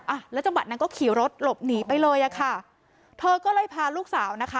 อ่ะแล้วจังหวะนั้นก็ขี่รถหลบหนีไปเลยอ่ะค่ะเธอก็เลยพาลูกสาวนะคะ